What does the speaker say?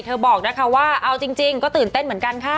บอกนะคะว่าเอาจริงก็ตื่นเต้นเหมือนกันค่ะ